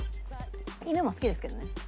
犬も好きですけどね。